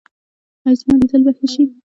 ایا زما لیدل به ښه شي؟